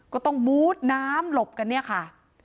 ก็ต้องมูดน้ำหลบกันเนี่ยค่ะ